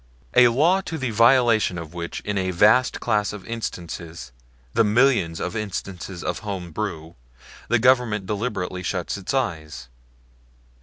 A law to the violation of which in a vast class of instances the millions of instances of home brew the Government deliberately shuts its eyes?